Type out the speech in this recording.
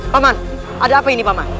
paman ada apa ini paman